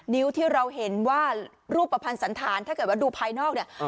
นิ้วที่เราเห็นว่ารูปภัณฑ์สันธารถ้าเกิดว่าดูภายนอกเนี่ย